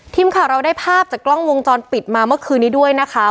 ทีมข่าวเราได้ภาพจากกล้องวงจรปิดมาเมื่อคืนนี้ด้วยนะคะ